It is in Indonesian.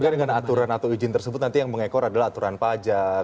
tapi kan dengan aturan atau izin tersebut nanti yang mengekor adalah aturan pajak